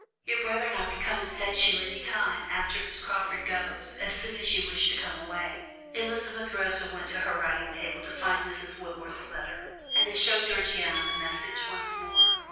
Your brother and I would come and fetch you any time, after Miss Crawford goes, as soon as you wish to come away." Elizabeth rose and went to her writing table, to find Mrs. Wentworth's letter, and to show Georgiana the message once more.